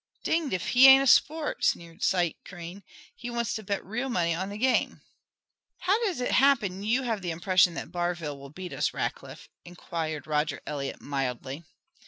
"Dinged if he ain't a sport!" sneered Site Crane. "He wants to bet real money on the game." "How does it happen you have the impression that Barville will beat us, Rackliff?" inquired Roger Eliot mildly.